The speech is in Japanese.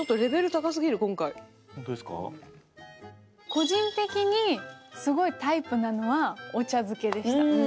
個人的にすごいタイプなのはお茶漬けでした。